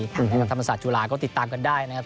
ดังสงสัยจุฬาธรรมศาสตร์จุฬาก็ติดตามกันได้นะครับ